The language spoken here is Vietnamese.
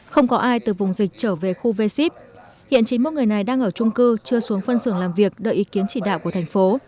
không có ai từ vùng dịch trở về khu v ship hiện chín mươi một người này đang ở trung cư chưa xuống phân xưởng làm việc đợi ý kiến chỉ đạo của thành phố